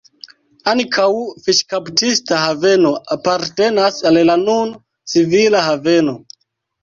Ankaŭ fiŝkaptista haveno apartenas al la nun civila haveno.